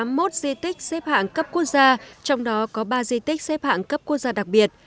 ninh bình có tám mươi một di tích xếp hạng cấp quốc gia trong đó có ba di tích xếp hạng cấp quốc gia đặc biệt